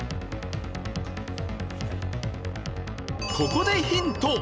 ここでヒント！